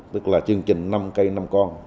tức là chương trình năm cây năm con